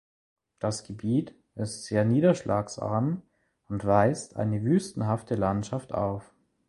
Das Gebiet ist sehr niederschlagsarm und weist eine wüstenhafte Landschaft auf.